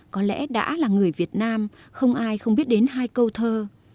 có lẽ đã là người việt nam không ai không biết đến hai câu thơ